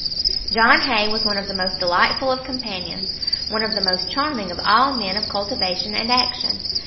John Hay was one of the most delightful of companions, one of the most charming of all men of cultivation and action.